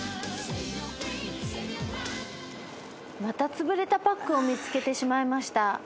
またつぶれたパックを見つけてしまいました。